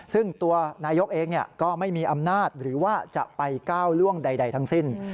ซึ่งตัวนายกเองก็ไม่มีอำนาจหรือว่าจะไปก้าวล่วงใดทั้งสิ้น